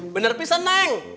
bener pisah neng